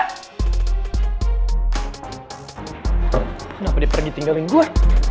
kenapa dia pergi tinggalin gue